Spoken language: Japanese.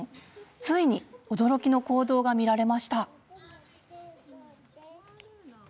ついに驚きの行動が見られました。